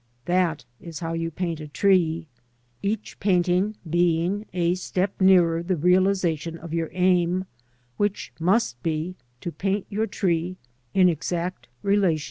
That is how you paint a tree, each painting being a step nearer the realisation of your aim, which must be to paint your tree in exact relation to the land V MORNING AT MONTREUIL.